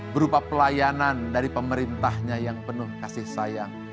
berupa pelayanan dari pemerintahnya yang penuh kasih sayang